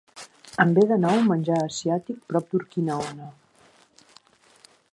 Em ve de nou menjar asiàtic prop d'Urquinaona.